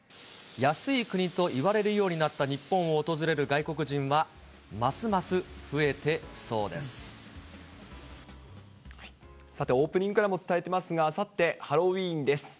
安い国といわれるようになった日本を訪れる外国人は、さてオープニングからも伝えてますが、あさってハロウィーンです。